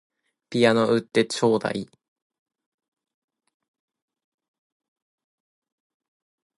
ピアノ売ってちょうだい